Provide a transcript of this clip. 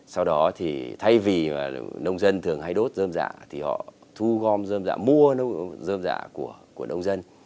sau đó thì thay vì nông dân thường hay đốt dơm dạ thì họ thu gom dơm dạ mua dơm dạ của nông dân